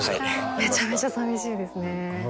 めちゃめちゃさみしいですね。